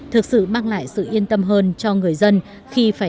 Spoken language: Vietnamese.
thực sự mang lại sự hiệu quả